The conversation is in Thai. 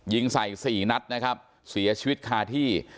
ยิงใส่สี่นัดนะครับเสียชีวิตคาที่